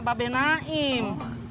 bapak babe naim